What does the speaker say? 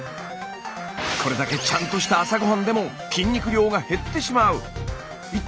これだけちゃんとした朝ごはんでも筋肉量が減ってしまう。